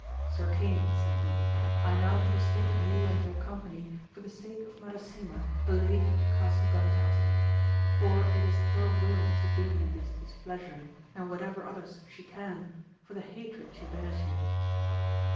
Sir king, said he, I now forsake you and your company for the sake of Madasima, the lady of Castle Gantasi ; for it is her will to do you this dis pleasure, and whatever others she can, for the hatred she bears you.